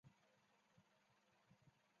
政治的程序也是竞争性的。